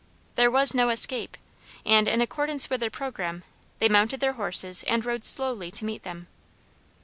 There was no escape, and, in accordance with their programme, they mounted their horses and rode slowly to meet them.